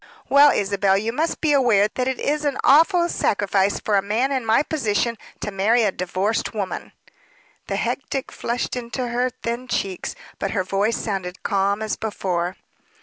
"Well, Isabel, you must be aware that it is an awful sacrifice for a man in my position to marry a divorced woman." The hectic flushed into her thin cheeks, but her voice sounded calm as before.